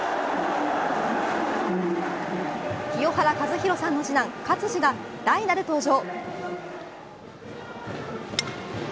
清原和博さんの次男、勝児が代打で登場。